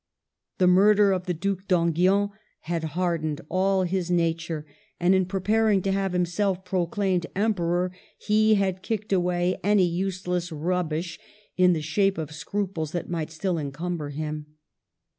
The murder of the Due d'Enghien had hardened all his nature, and in preparing to have himself pro claimed Emperor he had kicked away any useless rubbish in the shape of scruples that might still encumber him.